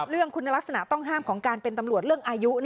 เรื่องคุณลักษณะต้องห้ามของการเป็นตำรวจเรื่องอายุ